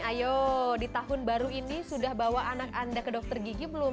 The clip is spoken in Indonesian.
ayo di tahun baru ini sudah bawa anak anda ke dokter gigi belum